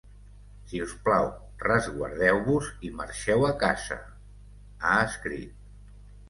Si us plau, resguardeu-vos i marxeu a casa, ha escrit.